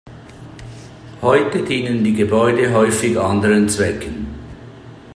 Heute dienen die Gebäude häufig anderen Zwecken.